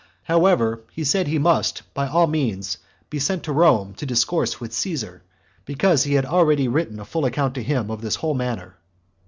However, he said he must, by all means, be sent to Rome to discourse with Caesar, because he had already written a full account to him of this whole matter.